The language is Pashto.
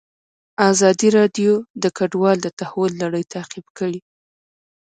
ازادي راډیو د کډوال د تحول لړۍ تعقیب کړې.